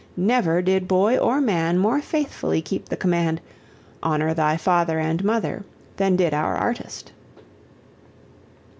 Never did boy or man more faithfully keep the command, "Honor thy father and mother," than did our artist.